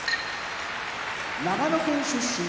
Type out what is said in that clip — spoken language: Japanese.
長野県出身